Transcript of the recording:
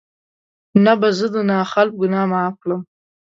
نه به زه د نا خلف ګناه معاف کړم